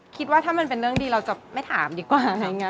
คิดว่าถ้ามันเป็นเรื่องดีเราจะไม่ถามดีกว่า